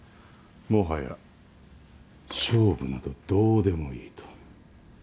もはや勝負などどうでもいいと。